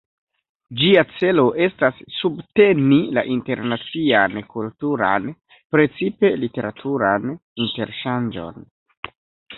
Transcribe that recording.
Ĝia celo estas subteni la internacian kulturan, precipe literaturan interŝanĝon.